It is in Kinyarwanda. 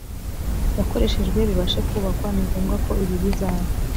yakoreshejwe bibashe kubakwa ni ngombwa ko ibi bizaba